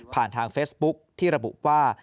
ผ่านทางเฟสบุ๊คที่ระบุว่า